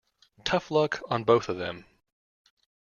Tough luck on both of them.